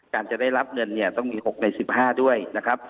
จะได้รับเงินเนี่ยต้องมี๖ใน๑๕ด้วยนะครับ